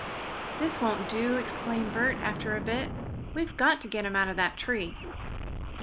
"This won't do!" exclaimed Bert, after a bit. "We've got to get him out of that tree."